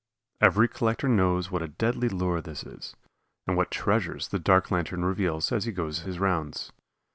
Every collector knows what a deadly lure this is, and what treasures the dark lantern reveals as he goes his rounds.